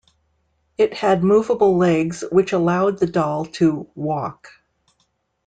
It had movable legs which allowed the doll to "walk".